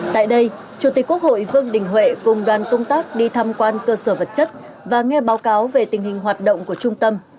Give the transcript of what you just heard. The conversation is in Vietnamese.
tại đây chủ tịch quốc hội vương đình huệ cùng đoàn công tác đi tham quan cơ sở vật chất và nghe báo cáo về tình hình hoạt động của trung tâm